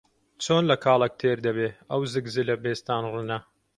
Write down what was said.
چۆن لە کاڵەک تێر دەبێ ئەو زگ زلە بێستان ڕنە؟